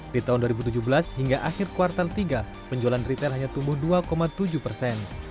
di tahun dua ribu tujuh belas hingga akhir kuartal tiga penjualan retail hanya tumbuh dua tujuh persen